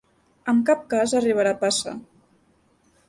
En cap cas arribarà a passar.